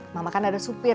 mama kan ada supir